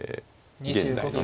現代のね